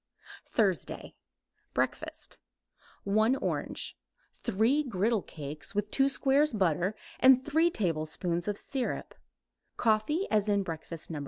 THURSDAY BREAKFAST 1 orange; 3 griddle cakes with 2 squares butter and 3 tablespoons syrup; coffee as in breakfast (1).